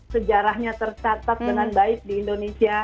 sejarahnya tercatat dengan baik di indonesia